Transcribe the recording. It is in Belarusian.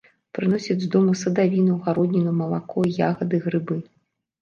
Прыносяць з дому садавіну, гародніну, малако, ягады, грыбы.